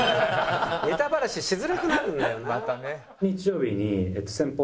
ネタバラシしづらくなるんだよな。